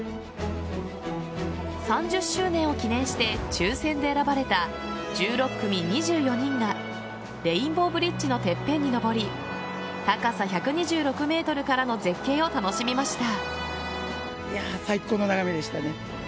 ３０周年を記念して抽選で選ばれた１６組２４人がレインボーブリッジのてっぺんに上り高さ１２６ｍからの絶景を楽しみました。